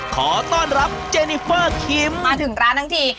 ขอต้อนรับเจนิเฟอร์คิมมาถึงร้านทั้งที